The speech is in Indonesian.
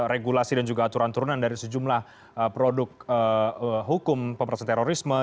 regulasi dan juga aturan turunan dari sejumlah produk hukum pemerintah terorisme